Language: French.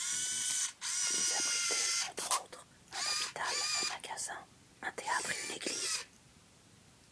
Ils abritaient, entre autres, un hôpital, un magasin, un théâtre et une église.